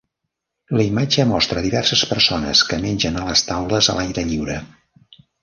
La imatge mostra diverses persones que mengen a les taules a l'aire lliure.